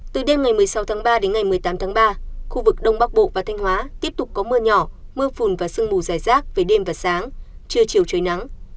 từ đêm ngày một mươi sáu tháng ba đến ngày một mươi tám tháng ba khu vực đông bắc bộ và thanh hóa tiếp tục có mưa nhỏ mưa phùn và sương mù dài rác về đêm và sáng trưa chiều trời nắng